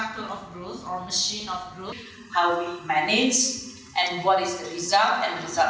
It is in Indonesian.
dan kita harus fokus lebih banyak